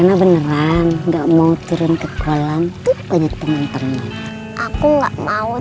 bener beneran enggak mau turun ke kolam tuh banyak teman teman aku nggak mau